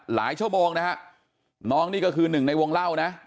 ชั่วโมงนะฮะน้องนี่ก็คือหนึ่งในวงเล่านะ